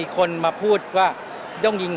kabeh perawatan tiga anak